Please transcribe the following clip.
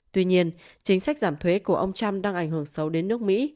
tuy nhiên chính sách giảm thuế của ông trump đang ảnh hưởng xấu đến nước mỹ